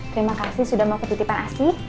terima kasih sudah mau ketitipan asih